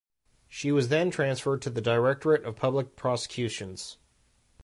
She was then transferred to the Directorate of Public Prosecutions.